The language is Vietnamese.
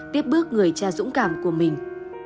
tiếp bước người cha dũng cảm của mình